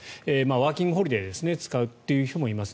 ワーキングホリデーを使う人もいます。